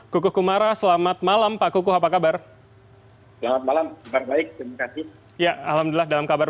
kuku kumara selamat malam pak kuku apa kabar